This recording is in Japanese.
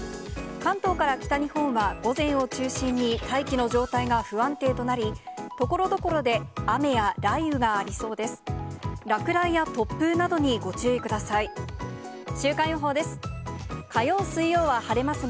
関東から北日本は、午前を中心に大気の状態が不安定となり、ところどころで雨や雷雨がありそうです。